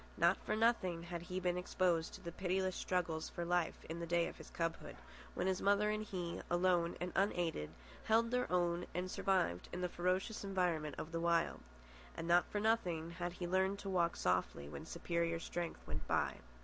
Not for nothing had he been exposed to the pitiless struggles for life in the day of his cubhood, when his mother and he, alone and unaided, held their own and survived in the ferocious environment of the Wild. And not for nothing had he learned to walk softly when superior strength went by.